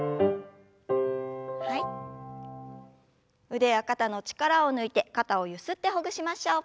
腕や肩の力を抜いて肩をゆすってほぐしましょう。